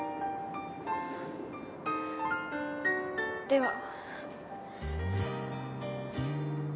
では。